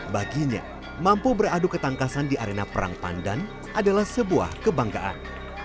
baginya mampu beradu ketangkasan di arena perang pandan adalah sebuah kebanggaan